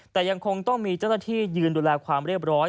แต่ยังคงต้องมีเจ้าหน้าที่ยืนดูแลความเรียบร้อย